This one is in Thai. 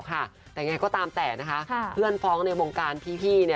แต่ยังไงก็ตามแต่เพื่อนฟ้องในวงการพี่